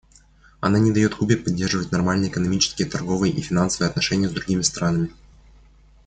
Она не дает Кубе поддерживать нормальные экономические, торговые и финансовые отношения с другими странами.